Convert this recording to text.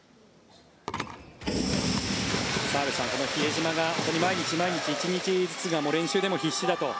澤部さん、この比江島が毎日１日ずつが練習でも必死だと。